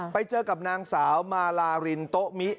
ไปเจอกับนางสาวมาลารินโต๊ะมิ